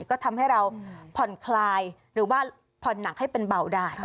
ก็ทำให้เราผ่อนคลายหรือว่าผ่อนหนักให้เป็นเบาได้